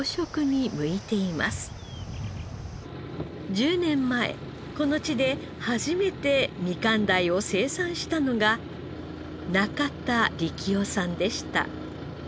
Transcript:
１０年前この地で初めてみかん鯛を生産したのが中田力夫さんでした。